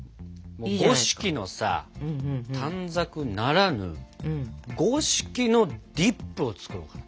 五色のさ短冊ならぬ「五色のディップ」を作ろうかと。